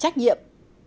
sáu trách nhiệm